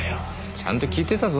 ちゃんと聞いてたぞ。